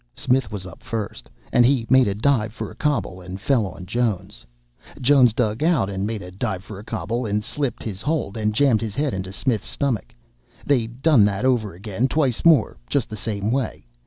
Smith was up fust, and he made a dive for a cobble and fell on Jones; Jones dug out and made a dive for a cobble, and slipped his hold and jammed his head into Smith's stomach. They each done that over again, twice more, just the same way.